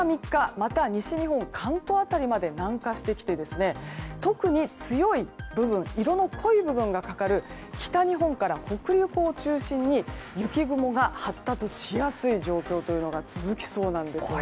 また西日本、関東辺りまで南下してきて特に強い部分色の濃い部分がかかる北日本から北陸を中心に雪雲が発達しやすい状況が続きそうなんですよね。